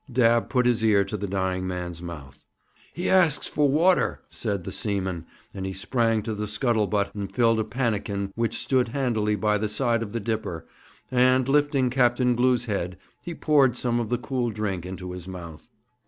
Dabb put his ear to the dying man's mouth. 'He asks for water,' said the seaman; and he sprang to the scuttle butt and filled a pannikin which stood handily by the side of the dipper, and, lifting Captain Glew's head, he poured some of the cool drink into his mouth.